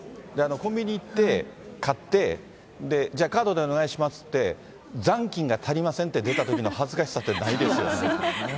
コンビニ行って、買って、じゃあ、カードでお願いしますって、残金が足りませんって出たときの恥ずかしさってないですよね。